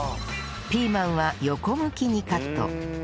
ピーマンは横向きにカット